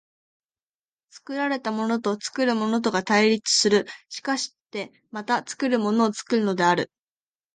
作られたものと作るものとが対立する、しかしてまた作るものを作るのである。